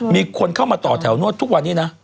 มีคนเข้ามาต่อแถวนวดทุกวันนี้นะ